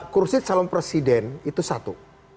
kursi calon presiden itu satu